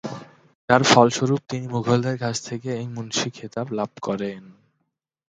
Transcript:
যার ফলস্বরূপ তিনি মুঘলদের কাছ থেকে এই মুন্সি খেতাব লাভ করেন।